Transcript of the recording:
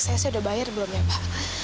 saya sudah bayar belum ya pak